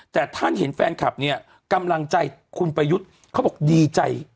แต่ท่านเห็นแฟนคลับเนี่ยกำลังใจคุณประยุทธ์เขาบอกดีใจ